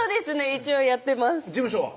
一応やってます事務所は？